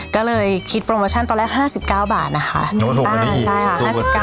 ก็เลยคิดตอนแรกห้าสิบเก้าบาทนะคะจริงอ่ะใช่อ่ะ